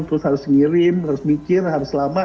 terus harus ngirim harus mikir harus lama